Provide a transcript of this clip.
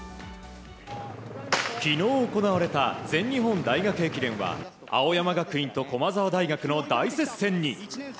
昨日、行われた全日本大学駅伝は青山学院と駒澤大学の大接戦に。